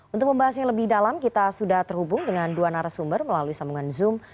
untuk membahasnya lebih dalam kita sudah terhubung dengan dua narasumber melalui sambungan zoom